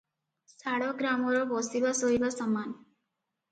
ଶାଳଗ୍ରାମର ବସିବା ଶୋଇବା ସମାନ ।